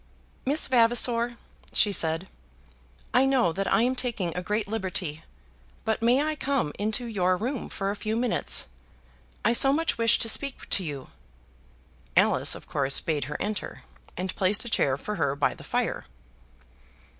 "Miss Vavasor," she said, "I know that I am taking a great liberty, but may I come into your room for a few minutes? I so much wish to speak to you!" Alice of course bade her enter, and placed a chair for her by the fire.